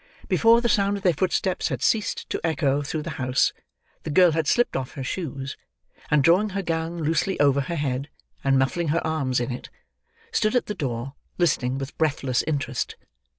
Before the sound of their footsteps had ceased to echo through the house, the girl had slipped off her shoes; and drawing her gown loosely over her head, and muffling her arms in it, stood at the door, listening with breathless interest.